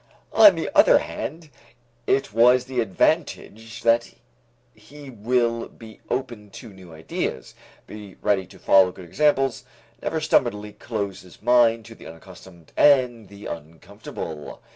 On the other hand, it has the advantage that he will be open to new ideas, be ready to follow good examples, never stubbornly close his mind to the unaccustomed and the uncomfortable.